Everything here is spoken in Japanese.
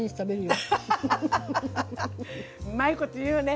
うまいこと言うよね。